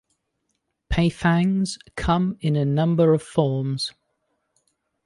Paifangs come in a number of forms.